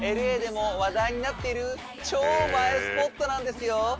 ＬＡでも話題になっている超映えスポットなんですよ